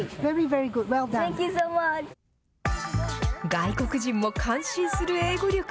外国人も感心する英語力。